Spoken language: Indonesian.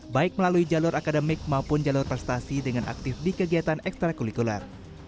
baik melalui jalur akademik maupun jalur prestasi dengan aktif di kegiatan ekstra kulikuler